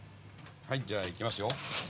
はいじゃあいきますよ。